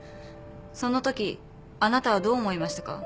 そのときあなたはどう思いましたか？